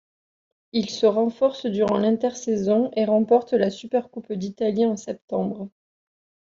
Il se renforce durant l'intersaison et remporte la Supercoupe d'Italie en septembre.